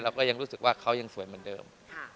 ก็ยังรู้สึกว่าเขายังสวยเหมือนเดิม